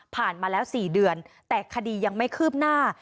มาแล้ว๔เดือนแต่คดียังไม่คืบหน้า